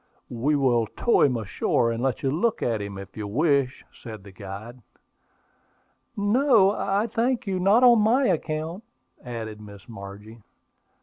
"We will tow him ashore and let you look at him, if you wish," said the guide. "No, I thank you; not on my account," added Miss Margie.